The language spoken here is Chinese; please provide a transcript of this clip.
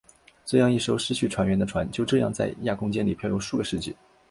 这样一艘失去船员的船就这样在亚空间里飘流数个世纪。